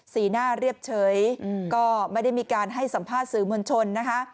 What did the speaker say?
สีหน้าเรียบเฉยก็ไม่ได้มีการให้สัมภาษณ์สื่อมวลชนนะคะ